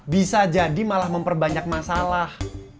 bisa jadi malah memperbanyak masalah